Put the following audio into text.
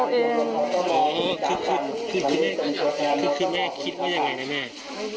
หนูไปเลยนะแม่เขาพูดกับแม่เหรอหนูคิดเอาเองอ๋อคือคือคือแม่คิดว่ายังไงนะแม่